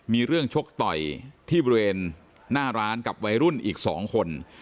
มีเรื่องชกต่อยที่บริเวณหน้าร้านกับวัยรุ่นอีก๒คน